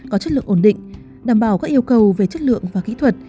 có chất lượng ổn định đảm bảo các yêu cầu về chất lượng và kỹ thuật